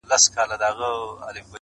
پر مخ وريځ~